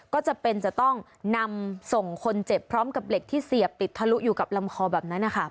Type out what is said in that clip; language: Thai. ก็จำเป็นจะต้องนำส่งคนเจ็บพร้อมกับเหล็กที่เสียบติดทะลุอยู่กับลำคอแบบนั้นนะคะ